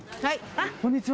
こんにちは。